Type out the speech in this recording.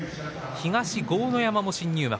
東、豪ノ山も新入幕。